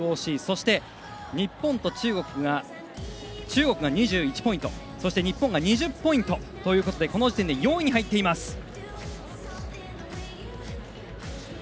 そして、中国が２１ポイントそして日本が２０ポイントということでこの時点で４位に入っています。